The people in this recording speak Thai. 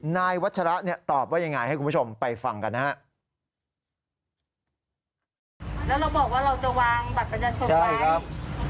นายวัชระตอบว่ายังไงให้คุณผู้ชมไปฟังกันครับ